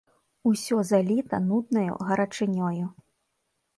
Усё заліта нуднаю гарачынёю.